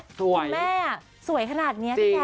คุณแม่สวยขนาดนี้